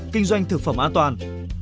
kinh doanh thực phẩm an toàn